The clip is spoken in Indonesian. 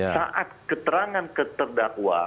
saat keterangan keterdakwa